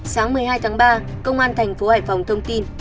sáng một mươi hai tháng ba công an tp hải phòng thông tin